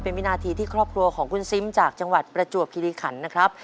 เป็นวินาทีที่ครอบครัวของคุณซิมจากจังหวัดประจวบคิริขันนะครับ